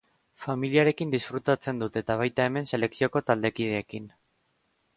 Familiarekin disfrutatzen dut eta baita hemen selekzioko taldekideekin.